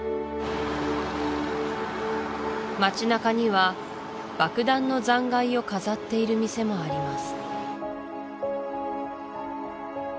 街なかには爆弾の残骸を飾っている店もあります